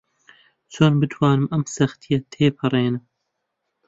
چۆن بتوانم ئەم سەختییە تێپەڕێنم؟